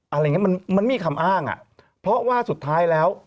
อะไรอย่างเงี้มันมันไม่มีคำอ้างอ่ะเพราะว่าสุดท้ายแล้ว